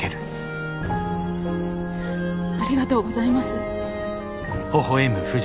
ありがとうございます。